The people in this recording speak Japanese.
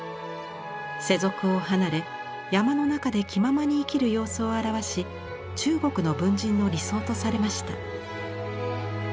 世俗を離れ山の中で気ままに生きる様子を表し中国の文人の理想とされました。